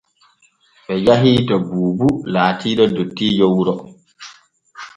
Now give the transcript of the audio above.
Ɓe jahii to Buubu laatiiɗo dottiijo wuro.